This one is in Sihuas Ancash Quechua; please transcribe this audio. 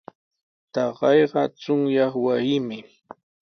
Taqayqa chunyaq wasimi.